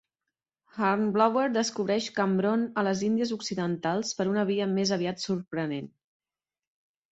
Hornblower descobreix Cambronne a les Índies Occidentals per una via més aviat sorprenent.